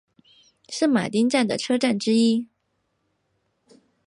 圣马丁站的车站之一。